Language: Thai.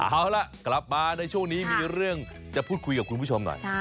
เอาล่ะกลับมาในช่วงนี้มีเรื่องจะพูดคุยกับคุณผู้ชมหน่อย